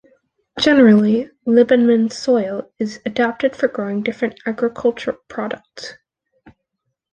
Generally, Libmanan soil is adapted for growing different agricultural products.